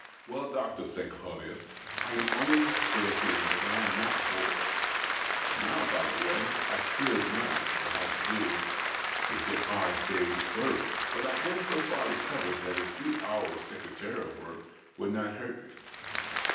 "Well, doctor," said Claudius, " I can only say again that I am not bored. Now, by the way, I could not, perhaps, do a good hard day's THE OCTAVE OF CLAUDIUS. 61 work. But I am so far recovered that a few hours' secretarial work would not hurt me.